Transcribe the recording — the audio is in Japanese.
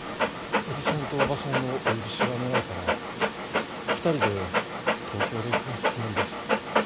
おじさんとおばさんのお許しがもらえたら２人で東京で暮らすつもりです。